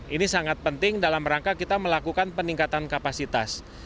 ini sangat penting dalam rangka kita melakukan peningkatan kapasitas